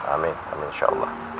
amin amin insya allah